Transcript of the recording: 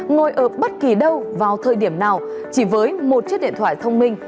ngồi ở bất kỳ đâu vào thời điểm nào chỉ với một chiếc điện thoại thông minh